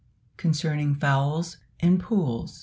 CONCERNING FOWLS AND POOLS.